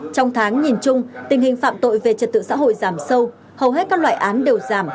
trong tháng nhìn chung tình hình phạm tội về trật tự xã hội giảm sâu hầu hết các loại án đều giảm